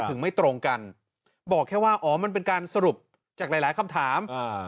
ไม่ตรงกันบอกแค่ว่าอ๋อมันเป็นการสรุปจากหลายหลายคำถามอ่า